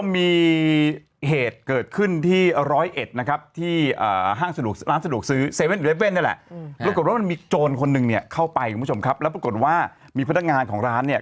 มีโจรคนหนึ่งเนี่ยเข้าไปคุณผู้ชมครับแล้วปรากฏว่ามีพัฒนางานของร้านเนี่ย